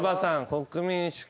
国民主権。